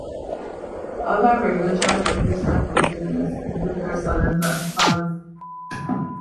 Other variations of this type of business include hair salons and spas.